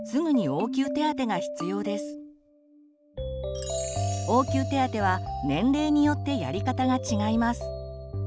応急手当は年齢によってやり方が違います。